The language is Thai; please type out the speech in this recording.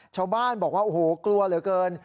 ชาวบ้านบอกว่าโอ้โหกลัวเหลือเกิน